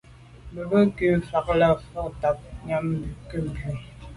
Me be kum mfelàlà fotngab nyàm nke mbwe.